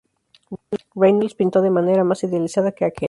Reynolds pintó de manera más idealizada que aquel.